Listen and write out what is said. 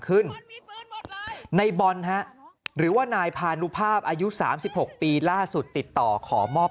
ขึ้นในบอลฮะหรือว่านายพานุภาพอายุ๓๖ปีล่าสุดติดต่อขอมอบ